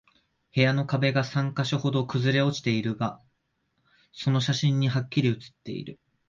部屋の壁が三箇所ほど崩れ落ちているのが、その写真にハッキリ写っている